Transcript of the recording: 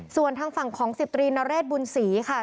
ส่วนทางฝั่งของ๑๐ตรีนเรศบุญศรีค่ะ